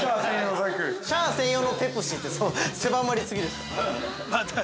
シャア専用のペプシって狭まりすぎでしょう。